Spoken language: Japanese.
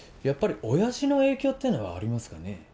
やっぱり親父の影響ってのはありますかね